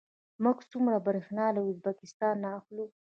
موږ څومره بریښنا له ازبکستان اخلو؟